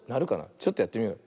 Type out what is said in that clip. ちょっとやってみよう。